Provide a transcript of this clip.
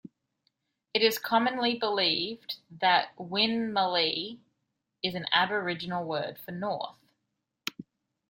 It is commonly believed that Winmalee is an Aboriginal word for "north".